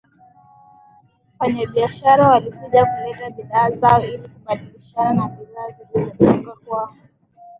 wafanyabishara walikuja kuleta bidhaa zao ili kubadilishana na bidhaa zilizotoka kwao